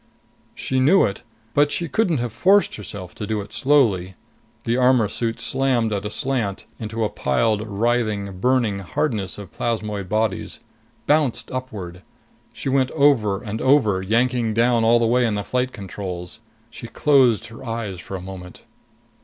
She knew it. But she couldn't have forced herself to do it slowly. The armor suit slammed at a slant into a piled, writhing, burning hardness of plasmoid bodies, bounced upward. She went over and over, yanking down all the way on the flight controls. She closed her eyes for a moment.